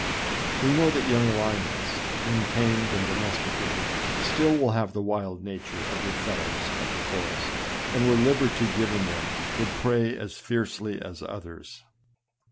We know that young lions, when tamed and domesticated, stUl will have the wild nature of their fellows of the forest, and were liberty given them, would prey as fiercely as others.